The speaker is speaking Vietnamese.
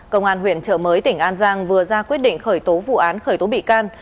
công an huyện trợ mới tỉnh an giang vừa ra quyết định khởi tố vụ án khởi tố bị can